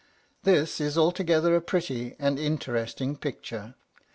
This is altogether a pretty and interesting picture.